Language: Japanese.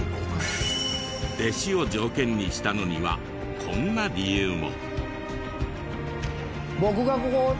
弟子を条件にしたのにはこんな理由も。